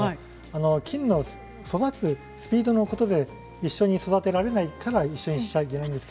菌の育つスピードのことで一緒に育てられないから一緒にしちゃいけないんです。